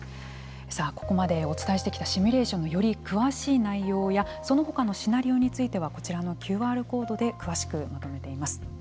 さあ、ここまでお伝えしてきたシミュレーションのより詳しい内容やその他のシナリオについてはこちらのＱＲコードで詳しくまとめています。